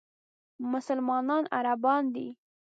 مسلمانانو عربان دي.